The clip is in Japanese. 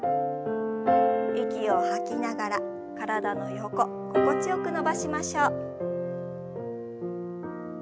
息を吐きながら体の横心地よく伸ばしましょう。